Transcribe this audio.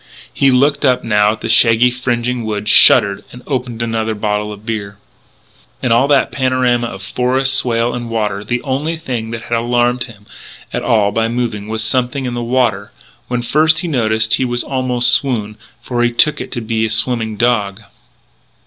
He looked up now at the shaggy fringing woods, shuddered, opened another bottle of beer. In all that panorama of forest, swale, and water the only thing that had alarmed him at all by moving was something in the water. When first he noticed it he almost swooned, for he took it to be a swimming dog.